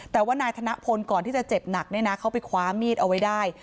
แต่ว่านายธนพลก่อนที่จะเจ็บหนักเนี่ยนะเขาไปคว้ามีดเอาไว้ได้